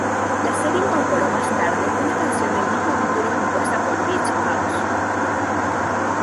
La serie incorporó más tarde una canción del mismo título compuesta por Beach House.